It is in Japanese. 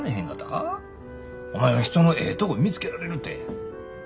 お前は人のええとこ見つけられるて。